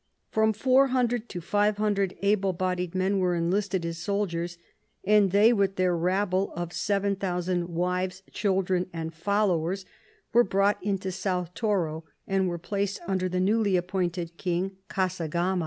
From 400 to 500 able bodied men were enlisted as soldiers, and they, with their rabble of 7,000 wives, children and fol lowers, were brought into South Toro, and were placed under the newly appointed king Kasagama.